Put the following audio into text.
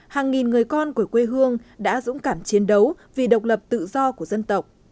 hàng nghìn người con của quê hương đã dũng cảm chiến đấu vì độc lập tự do của dân tộc